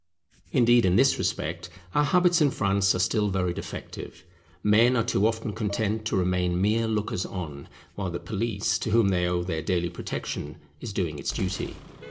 Indeed in this respect our habits in France are still very defective; men are too often content to remain mere lookers on, while the police to whom they owe their daily protection is doing its duty.